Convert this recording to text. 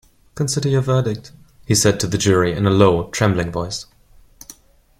‘Consider your verdict,’ he said to the jury, in a low, trembling voice.